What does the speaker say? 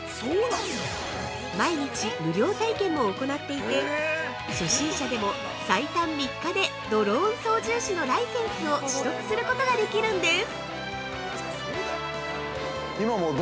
毎日、無料体験も行っていて初心者でも最短３日でドローン操縦士のライセンスを取得することができるんです。